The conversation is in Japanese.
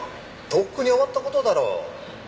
とっくに終わった事だろう。